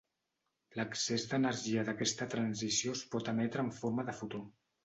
L'excés d'energia d'aquesta transició es pot emetre en forma de fotó.